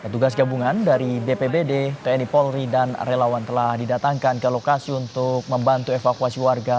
tugas gabungan dari bpbd tni polri dan relawan telah didatangkan ke lokasi untuk membantu evakuasi warga